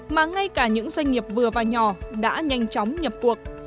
mà ngay cả những doanh nghiệp vừa và nhỏ đã nhanh chóng nhập cuộc